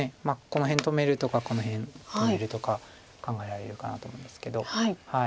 この辺止めるとかこの辺止めるとか考えられるかなと思うんですけど。